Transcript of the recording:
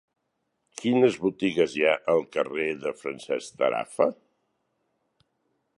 Quines botigues hi ha al carrer de Francesc Tarafa?